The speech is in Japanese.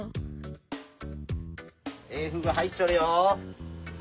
ええふぐ入っちょるよ。